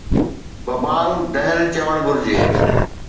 ببانگ دھل چوڻ گھرجي.